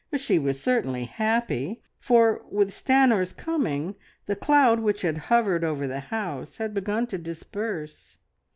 She was certainly happy, for with Stanor's coming the cloud which had hovered over the house had begun to disperse.